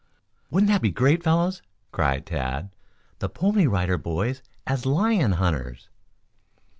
"Wouldn't that be great, fellows?" cried Tad. "The Pony Rider Boys as lion hunters."